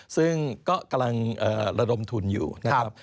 ซึ่งก็กำลังระดมทุนอยู่นะครับ